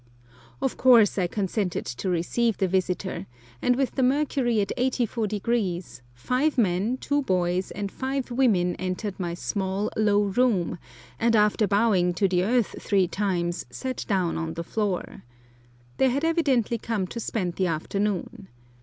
Of course I consented to receive the visitor, and with the mercury at 84°, five men, two boys, and five women entered my small, low room, and after bowing to the earth three times, sat down on the floor. They had evidently come to spend the afternoon.